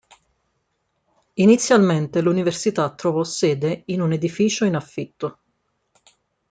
Inizialmente l'università trovò sede in un edificio in affitto.